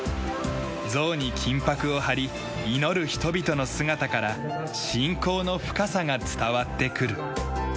像に金箔を貼り祈る人々の姿から信仰の深さが伝わってくる。